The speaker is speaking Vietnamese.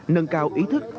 nâng cao ý thức